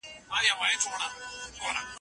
کاروبار په استقامت او صبر سره کېږي.